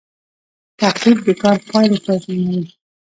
تعقیب د کار پایله تضمینوي